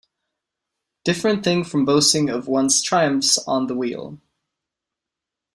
A different thing from boasting of one's triumphs on the wheel.